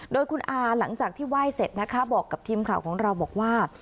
โดยคุณอาหลังจากที่ไหว้เสร็จนะคะบอกกับทีมข่าวของเราบอกว่า